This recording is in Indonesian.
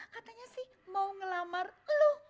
katanya sih mau ngelamar lo